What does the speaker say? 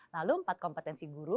lalu empat kompetensi guru